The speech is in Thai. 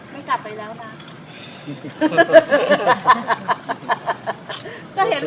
ไม่กลับไปแล้วนะ